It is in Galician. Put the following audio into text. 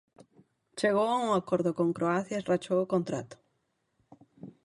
Chegou a un acordo con Croacia e rachou o contrato.